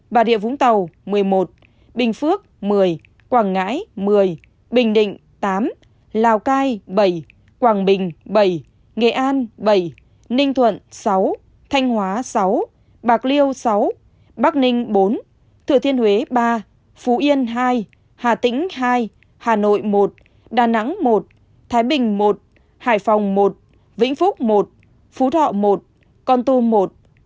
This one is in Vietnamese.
bà địa vũng tàu một mươi một bình phước một mươi quảng ngãi một mươi bình định tám lào cai bảy quảng bình bảy nghệ an bảy ninh thuận sáu thanh hóa sáu bạc liêu sáu bắc ninh bốn thừa thiên huế ba phú yên hai hà tĩnh hai hà nội một đà nẵng một thái bình một hải phòng một vĩnh phúc một phú thọ một con tô một